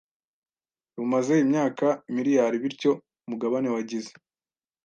rumaze imyaka miriyari bityo umugabane wagize